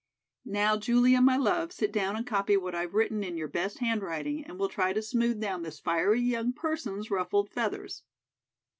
'" "Now, Julia, my love, sit down and copy what I've written in your best handwriting, and we'll try to smooth down this fiery young person's ruffled feathers."